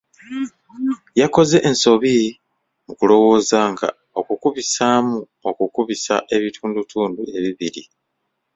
Yakoze ensobi mu kulowooza nga okukubisamu okukubisa ebitundutundu ebibiri.